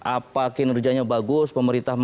apakah kinerjanya bagus pemerintah